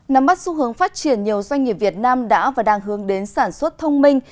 nắm mắt xu hướng phát triển nhiều doanh nghiệp việt nam đã và đang hướng đến sản xuất thông minh